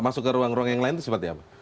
masuk ke ruang ruang yang lain itu seperti apa